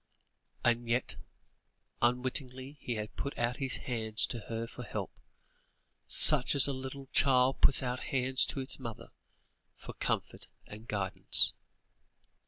And yet, unwittingly he had put out his hands to her for help, much as a little child puts out hands to its mother, for comfort and guidance.